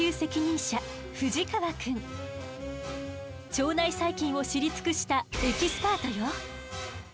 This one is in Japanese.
腸内細菌を知り尽くしたエキスパートよ。